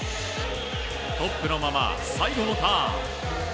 トップのまま最後のターン。